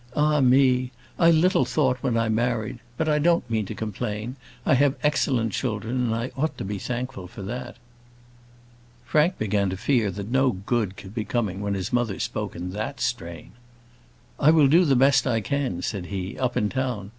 Ah me! I little thought when I married but I don't mean to complain I have excellent children, and I ought to be thankful for that." Frank began to fear that no good could be coming when his mother spoke in that strain. "I will do the best I can," said he, "up in town.